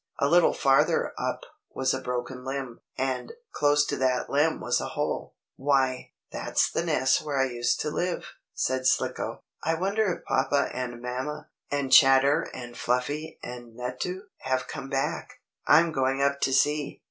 A little farther up was a broken limb, and, close to that limb was a hole. "Why, that's the nest where I used to live," said Slicko. "I wonder if papa and mamma, and Chatter and Fluffy and Nutto have come back! I'm going up to see."